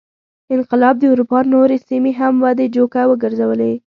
انقلاب د اروپا نورې سیمې هم ودې جوګه وګرځولې.